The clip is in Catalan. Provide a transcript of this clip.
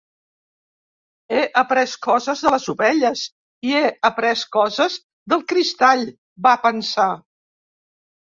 He après coses de les ovelles i he après coses del cristall, va pensar.